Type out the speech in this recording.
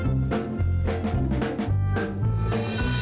nanti aku kasihin dia aja pepiting